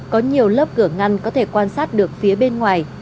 có nhiều lớp cửa ngăn có thể quan sát được phía bên ngoài